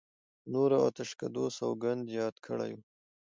په نور او آتشکدو سوګند یاد کړی و.